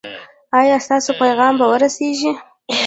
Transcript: ایا ستاسو پیغام به ورسیږي؟